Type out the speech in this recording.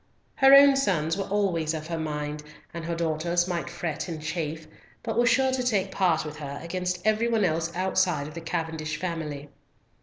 Her own sons always were of her mind, and her daughters might fret and chafe, but were sure to take part with her against every one else outside the Cavendish family.